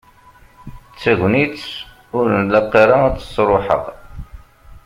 D tagnit ur nlaq ara ad tt-sruḥeɣ.